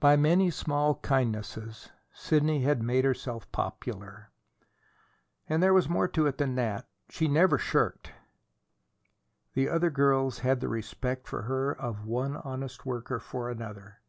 By many small kindnesses Sidney had made herself popular. And there was more to it than that. She never shirked. The other girls had the respect for her of one honest worker for another.